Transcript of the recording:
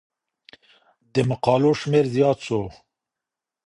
د مقالو شمېر زيات سو.